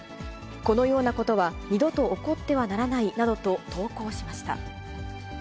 このようなことは二度と起こってはならないなどと投稿しました。